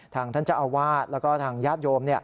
ทางท่านเจ้าอาวาลแล้วก็ทางยาชยม